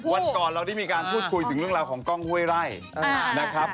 วันก่อนเราได้มีการพูดคุยถึงเรื่องราวของกล้องห้วยไร่นะครับ